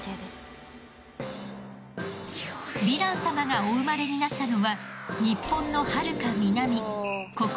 ヴィラン様がお生まれになったのは日本のはるか南